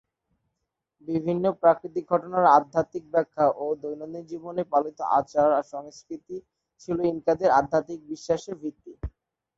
বিভিন্ন প্রাকৃতিক ঘটনার আধ্যাত্মিক ব্যাখ্যা ও দৈনন্দিন জীবনে পালিত আচার- সংস্কৃতি ছিল ইনকাদের আধ্যাত্মিক বিশ্বাসের ভিত্তি।